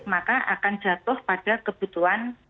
maka akan jatuh pada kebutuhan